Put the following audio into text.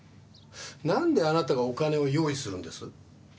なんであなたがお金を用意するんです？